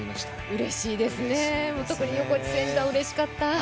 うれしいですね、特に横地選手はうれしかった！